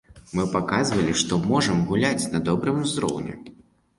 Мы паказалі, што можам гуляць на добрым узроўні.